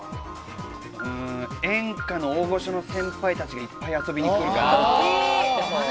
演歌の大御所の先輩たちがいっぱい遊びに来るから。